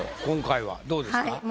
今回はどうですか？